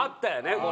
これ。